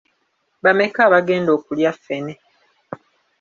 Bameka abagenda okulya ffene?